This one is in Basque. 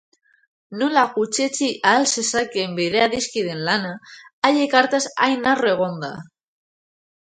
Nola gutxietsi ahal zezakeen bere adiskideen lana, haiek hartaz hain harro egonda?